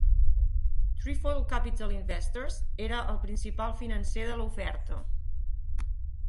Trefoil Capital Investors era el principal financer de la oferta.